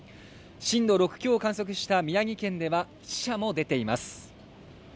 震度６強を観測した宮城県では死者も出ています